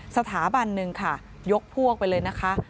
สถาบันหนึ่งค่ะยกพวกไปเลยนะคะ